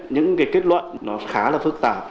những kết luận khá là phức tạp